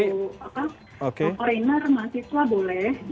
pak pak pak pak trainer mahasiswa boleh